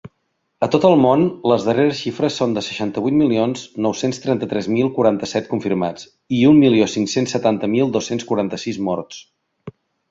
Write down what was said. A tot el món, les darreres xifres són de seixanta-vuit milions nou-cents trenta-tres mil quaranta-set confirmats i un milió cinc-cents setanta mil dos-cents quaranta-sis morts.